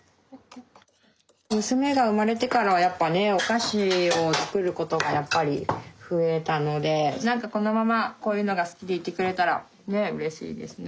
娘が生まれてからはやっぱねお菓子を作ることがやっぱり増えたので何かこのままこういうのが好きでいてくれたらねうれしいですね。